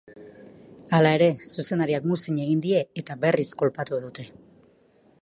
Hala ere, zuzendariak muzin egin die, eta berriz kolpatu dute.